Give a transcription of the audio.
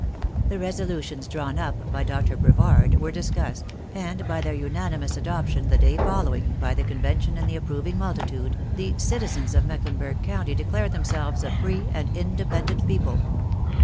The resolutions drawn up by Dr. Brevard were discussed; and by their unanimous adoption, the day following, by the convention and the approving multitude, the citizens of Mecklenburg County declared themselves a free and independent people.